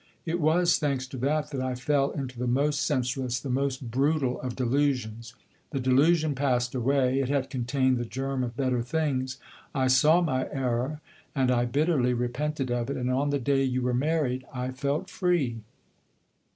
It was, thanks to that, that I fell into the most senseless, the most brutal of delusions. The delusion passed away it had contained the germ of better things. I saw my error, and I bitterly repented of it; and on the day you were married I felt free."